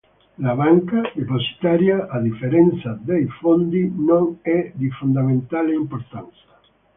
La banca depositaria a differenza dei fondi non è di fondamentale importanza.